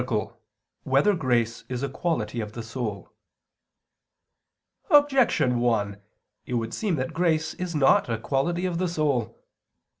2] Whether Grace Is a Quality of the Soul? Objection 1: It would seem that grace is not a quality of the soul.